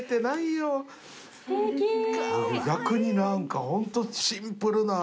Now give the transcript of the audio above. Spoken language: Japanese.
逆に何かホントシンプルな。